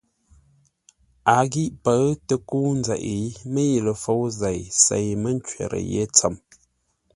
A ghî pə̌ʉ tə kə́u nzeʼ, mə́i ləfôu zêi sêi mə́ ncwərə́ yé tsəm.